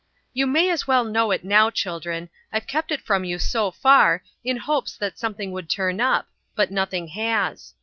"You may as well know it now, children, I've kept it from you so far in hopes that something would turn up, but nothing has.